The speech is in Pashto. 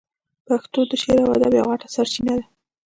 پښتو د شعر او ادب یوه غټه سرچینه ده.